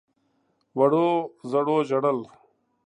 وړو _زړو ژړل.